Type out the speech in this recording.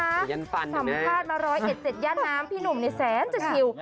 สัมภาษณ์มา๑๐๑๗ย่านน้ำพี่หนุ่มในแสนจะชิว